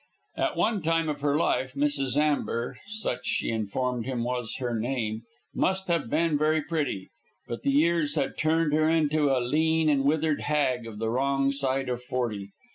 At one time of her life Mrs. Amber such she informed him was her name must have been very pretty, but the years had turned her into a lean and withered hag on the wrong side of forty.